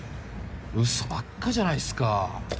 ウソばっかじゃないっすか。